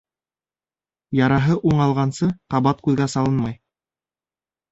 Яраһы уңалғансы ҡабат күҙгә салынмай.